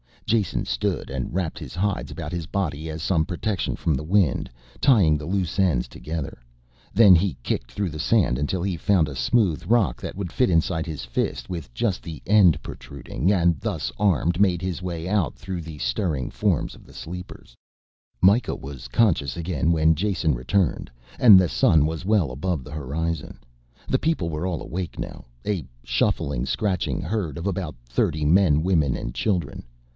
Jason stood and wrapped his hides about his body as some protection from the wind, tying the loose ends together. Then he kicked through the sand until he found a smooth rock that would fit inside his fist with just the end protruding, and thus armed made his way out through the stirring forms of the sleepers. Mikah was conscious again when Jason returned, and the sun was well above the horizon. The people were all awake now, a shuffling, scratching herd of about thirty men, women and children.